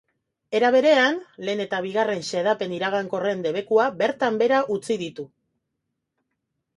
Era berean, lehen eta bigarren xedapen iragankorren debekua bertan behera utzi ditu.